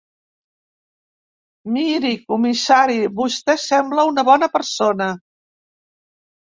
Miri, comissari, vostè sembla una bona persona.